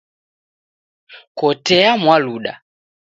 Kotea Mwaluda